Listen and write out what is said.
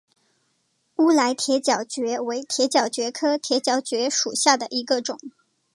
乌来铁角蕨为铁角蕨科铁角蕨属下的一个种。